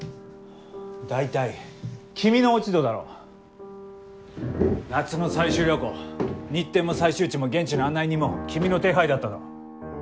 大体君の落ち度だろう！夏の採集旅行日程も採集地も現地の案内人も君の手配だったろう？